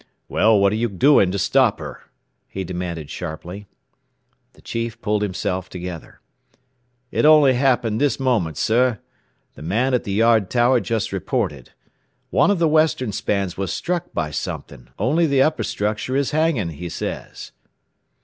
"Well, what are you doing to stop her?" he demanded sharply. The chief pulled himself together. "It only happened this moment, sir. The man at the yard tower just reported. One of the western spans was struck by something. Only the upper structure is hanging," he says.